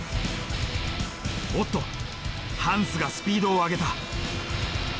おっとハンスがスピードを上げた。